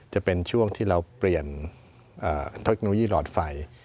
จะเป็นช่วงที่เราเปลี่ยนเทคโนโลยีหลอดไฟ